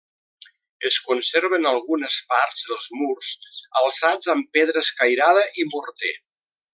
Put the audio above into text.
Es conserven algunes parts dels murs, alçats amb pedra escairada i morter.